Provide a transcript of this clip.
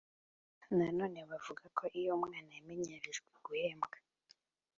Nanone bavuga ko iyo umwana yamenyerejwe guhembwa